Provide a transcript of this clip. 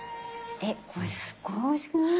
えこれすっごいおいしくない？